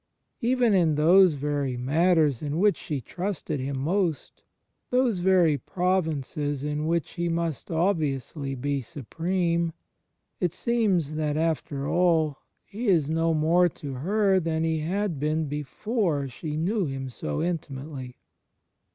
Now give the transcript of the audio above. Even in those very matters in which she trusted Him most, those very provinces in which He must obviously be supreme, it seems that, after all, He is no more to her than He had been before she knew Him so intimately.